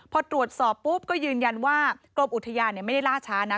พอตรวจสอบปุ๊บก็ยืนยันว่ากรมอุทยานไม่ได้ล่าช้านะ